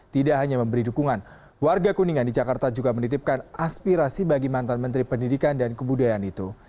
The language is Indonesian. tidak hanya memberi dukungan warga kuningan di jakarta juga menitipkan aspirasi bagi mantan menteri pendidikan dan kebudayaan itu